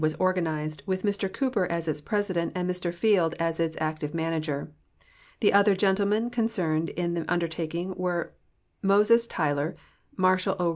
Avas organized, Avith ]\[r Cooper as its president and Mr Field as its actiA'e manager. The other gentlemen concerned in the un dertaking AA'ere INIoses TaAdor, Marshall 0.